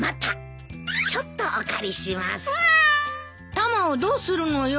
タマをどうするのよ？